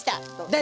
誰？